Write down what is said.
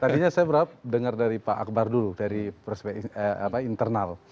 tadinya saya dengar dari pak akbar dulu dari perspek internal